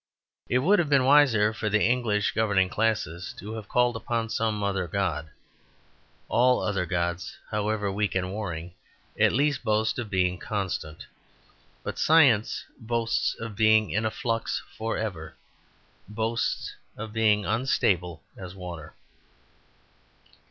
It would have been wiser for the English governing class to have called upon some other god. All other gods, however weak and warring, at least boast of being constant. But science boasts of being in a flux for ever; boasts of being unstable as water.